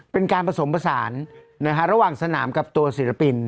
เป็นการผสมผสานระหว่างสนามกับตัวศิลปิน